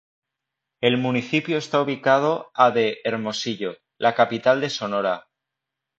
El municipio está ubicado a de Hermosillo, la capital de Sonora.